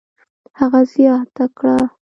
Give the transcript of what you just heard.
هغه زیاته کړه: